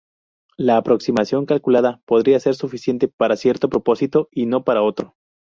La aproximación calculada podría ser suficiente para cierto propósito y no para otro.